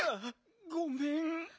ごめん。